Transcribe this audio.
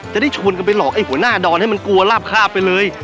จะได้ชวนกันไปหลอกไอ้หัวหน้าดอนให้มันกลัวลาบคาบไปเลย